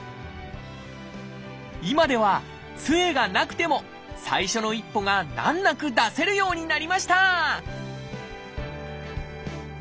今ではつえがなくても最初の一歩が難なく出せるようになりました！